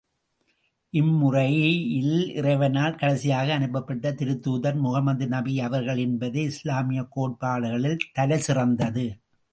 இம்முறையில் இறைவனால் கடைசியாக அனுப்பப்பட்ட திருத்தூதர் முகமது நபி அவர்கள் என்பதே இஸ்லாமியக் கோட்பாடுகளில் தலை சிறந்தது.